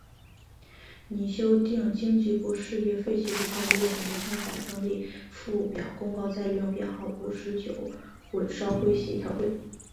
拟修订经济部事业废弃物再利用管理办法增列附表公告再利用编号五十九混烧灰协调会。